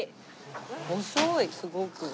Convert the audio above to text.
細いすごく。